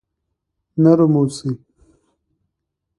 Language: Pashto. نرم اوسئ.